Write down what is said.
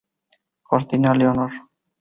Cortina, Leonor.